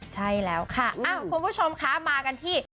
ใช่แล้วค่ะคุณผู้ชมคะมากันที่